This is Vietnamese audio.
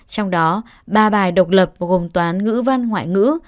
trong đó ba bài độc lập gồm toán ngữ văn ngoại ngữ